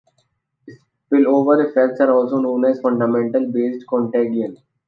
Spillover effects are also known as fundamental-based contagion.